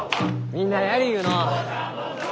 みんなやりゆうのう。